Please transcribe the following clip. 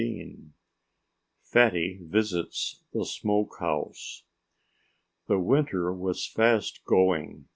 XV FATTY VISITS THE SMOKE HOUSE The winter was fast going.